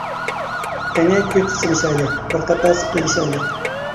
قېنى كۈچ سىنىشايلى، بىر قەپەس ئېلىشايلى.